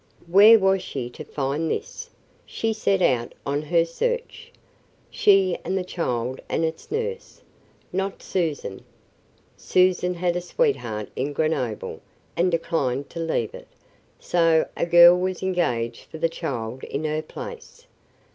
Where was she to find this? She set out on her search, she and the child and its nurse. Not Susanne. Susanne had a sweetheart in Grenoble, and declined to leave it, so a girl was engaged for the child in her place.